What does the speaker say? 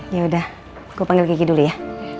yaudah gue panggil kiki dulu ya